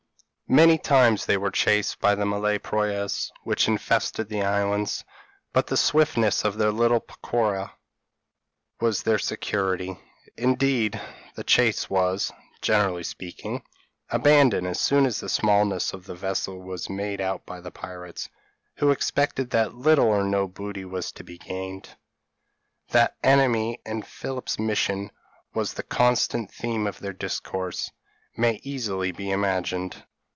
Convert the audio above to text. Many times they were chased by the Malay proas which infested the islands, but the swiftness of their little peroqua was their security; indeed, the chase was, generally speaking, abandoned as soon as the smallness of the vessel was made out by the pirates, who expected that little or no booty was to be gained. That Amine and Philip's mission was the constant theme of their discourse, may easily be imagined.